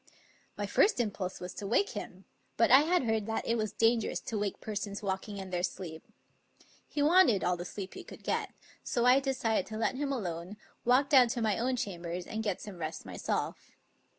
My first impulse was to wake him, but I had heard that it was dangerous to wake persons walking in their sleep. He wanted all the sleep he could get, so I decided to let him alone, walk down to my own chambers and get some rest myself.